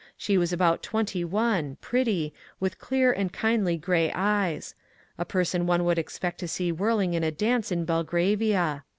She was about twenty one, pretty, with clear and kindly grey eyes, — a person one would expect to see whirling in a dance in Belgravia.